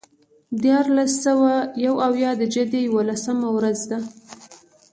د دیارلس سوه یو اویا د جدې یوولسمه ورځ ده.